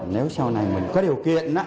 nếu sau này mình có điều kiện